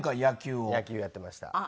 野球をやってました。